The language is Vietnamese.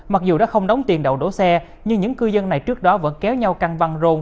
mặc dù đã không đóng tiền đậu đỗ xe nhưng những cư dân này trước đó vẫn kéo nhau căng văn rôn